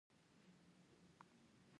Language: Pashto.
د کندهار انار په نړۍ کې نوم لري.